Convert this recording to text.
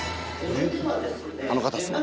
あの方ですね。